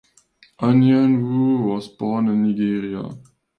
Anyanwu was born in Nigeria.